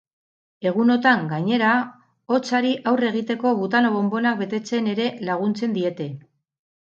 Egunotan, gainera, hotzari aurre egiteko butano bonbonak betetzen ere laguntzen diete.